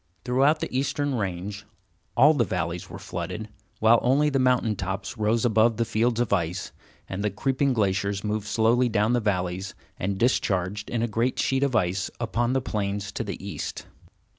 Throughout the eastern range, all the valleys were flooded, while only the mountain tops rose above the fields of ice, and the creeping glaciers moved slowly down the valleys and discharged in a great sheet of ice upon the plains to the east.